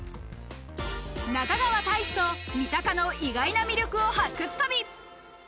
中川大志と三鷹の意外な魅力を発掘旅。